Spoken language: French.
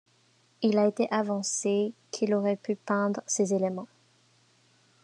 Il a été avancé qu'il aurait pu peindre ces éléments.